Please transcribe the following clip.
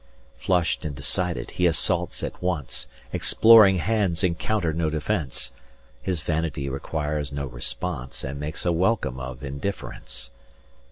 Flushed and decided, he assaults at once; Exploring hands encounter no defence; 240 His vanity requires no response, And makes a welcome of indifference.